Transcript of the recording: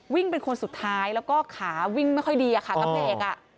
วิ่งเป็นคนสุดท้ายแล้วก็ขาวิ่งไม่ค่อยดีอ่ะค่ะกลับให้เอกอ่ะ